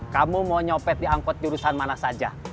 kamu mau nyopet di angkot jurusan mana saja